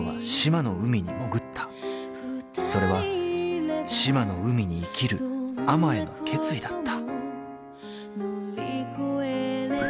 ［それは志摩の海に生きる海女への決意だった］